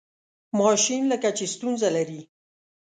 ماشین لکه چې ستونزه لري.